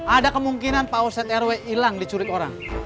ada kemungkinan pak oset rw hilang diculik orang